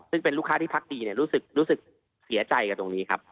ซึ่งเป็นลูกค้าที่พักดีรู้สึกเสียใจกับตรงนี้ครับ